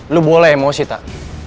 lo boleh emosi tak